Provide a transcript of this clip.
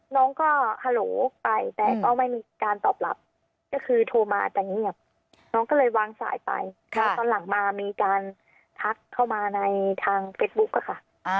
น้องก็ฮัลโหลไปแต่ก็ไม่มีการตอบรับก็คือโทรมาจะเงียบน้องก็เลยวางสายไปแล้วตอนหลังมามีการทักเข้ามาในทางเฟซบุ๊คอะค่ะ